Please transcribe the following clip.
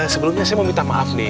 sebelumnya saya mau minta maaf nih